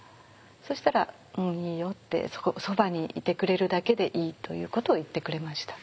そしたら「うんいいよ」って「そばにいてくれるだけでいい」ということを言ってくれました。